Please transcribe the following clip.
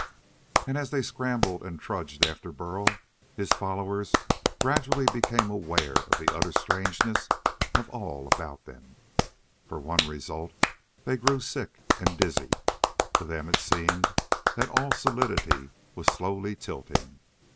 And as they scrambled and trudged after Burl, his followers gradually became aware of the utter strangeness of all about them. For one result, they grew sick and dizzy. To them it seemed that all solidity was slowly tilting.